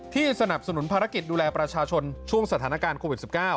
สนับสนุนภารกิจดูแลประชาชนช่วงสถานการณ์โควิด๑๙